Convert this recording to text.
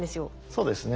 そうですね。